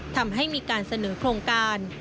ทำให้มีการเสนอโครงการ